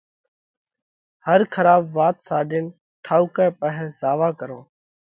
هر کراٻ وات ساڏينَ ٺائُوڪئہ پاهئہ زاوا ڪرونه۔